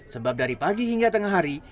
sebab dari pagi hingga tengah hari